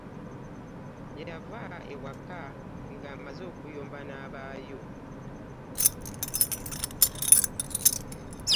Yava ewaka nga amaze okuyomba n'abaayo .